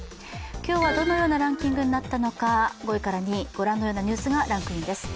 今日はどのようなランキングになったのか、５位から２位このようなランキングです。